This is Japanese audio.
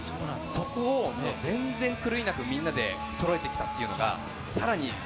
そこを全然狂いなく、みんなでそろえてきたっていうのが、